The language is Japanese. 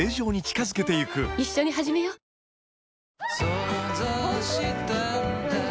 想像したんだ